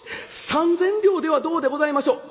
三千両ではどうでございましょう？」。